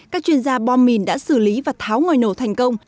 các chuyên gia bom mìn đã xử lý và tháo ngoài nổ thành công